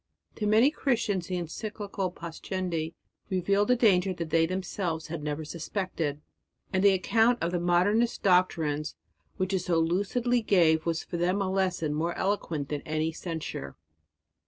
To many Christians the encyclical "Pascendi" revealed a danger that they themselves had never suspected; and the account of the Modernist doctrines which it so lucidly gave was for them a lesson more eloquent than any censure.